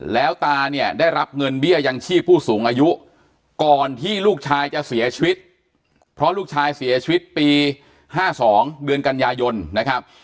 แล้วตาเนี่ยได้รับเงินเบี้ยยังชีพผู้สูงอายุก่อนที่ลูกชายจะเสียชีวิตเพราะลูกชายเสียชีวิตปี๕๒เดือนกันยายนนะครับ